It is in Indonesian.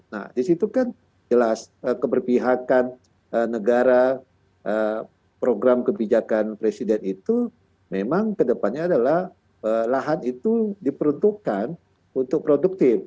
nah disitu kan jelas keberpihakan negara program kebijakan presiden itu memang kedepannya adalah lahan itu diperuntukkan untuk produktif